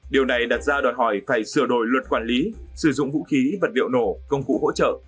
điều này đặt ra đoạn hỏi phải sửa đổi luật quản lý sử dụng vũ khí vật liệu nổ công cụ hỗ trợ